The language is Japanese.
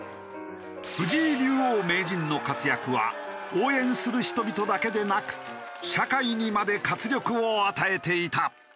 藤井竜王・名人の活躍は応援する人々だけでなく社会にまで活力を与えていた。